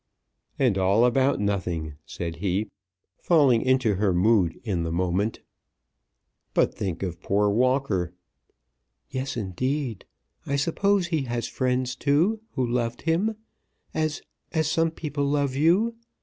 "And all about nothing," said he, falling into her mood in the moment. "But think of poor Walker." "Yes, indeed! I suppose he has friends, too, who loved him, as as some people love you.